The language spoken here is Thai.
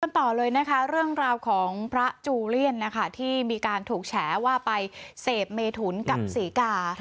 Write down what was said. ต่อเลยนะคะเรื่องราวของพระจูเลียนนะคะที่มีการถูกแฉว่าไปเสพเมถุนกับศรีกา